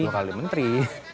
dua kali menteri